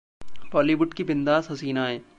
बॉलीवुड की बिंदास हसीनाएं